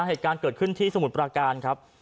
เหตุการณ์เกิดขึ้นที่สมุทรปราการครับ